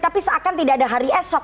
tapi seakan tidak ada hari esok